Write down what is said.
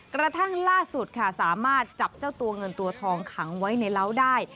กระทั่งล่าสุดค่ะสามารถจับเจ้าตัวเงินตัวทองขังไว้ในเล้าได้